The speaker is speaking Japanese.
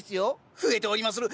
増えておりまする！